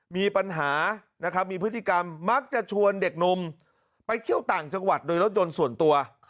มีปัญหานะครับมีพฤติกรรมมักจะชวนเด็กหนุ่มไปเที่ยวต่างจังหวัดโดยรถยนต์ส่วนตัว